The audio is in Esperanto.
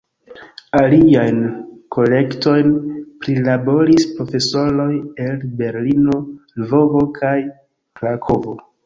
Aliajn kolektojn prilaboris profesoroj el Berlino, Lvovo kaj Krakovo.